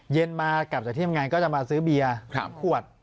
เย็นมากลับจะมาซื้อเบีย๒ขวด